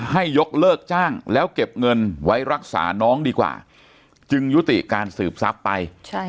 ให้ยกเลิกจ้างแล้วเก็บเงินไว้รักษาน้องดีกว่าจึงยุติการสืบทรัพย์ไป